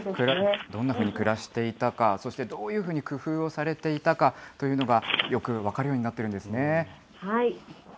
どんなふうに暮らしていたか、そして、どういうふうに工夫をされていたかというのが、よく分かるようになってるんですね。